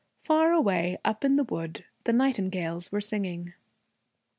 Far away, up in the wood, the nightingales were singing.